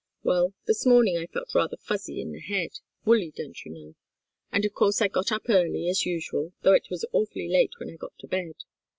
Well this morning I felt rather fuzzy in the head woolly, don't you know. And of course I got up early, as usual, though it was awfully late when I got to bed.